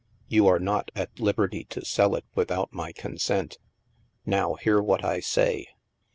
You are not at liberty to sell it without my consent. " Now, hear what I say.